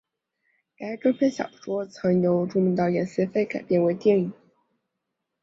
该中篇小说曾由著名导演谢飞改编为电影。